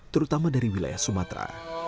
terutama dari wilayah sumatera